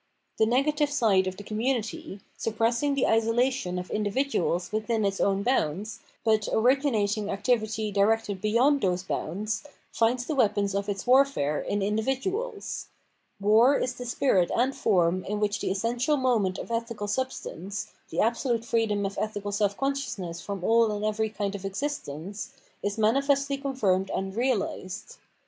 The negative side of the com munity, suppressing the isolation of individuals within its own bounds, but originating activity directed beyond those bounds, finds the weapons of its warfare in individ uals. War is the spirit and form in which the essential moment of ethical substance, the absolute freedom of ethical self consciousness from aU and every kind of existence, is manifestly confirmed and reahsed.